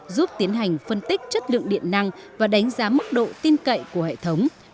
giúp tiến hành phân tích chất lượng điện năng và đánh giá mức độ tin cậy của hệ thống